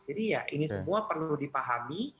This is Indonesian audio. jadi ya ini semua perlu dipahami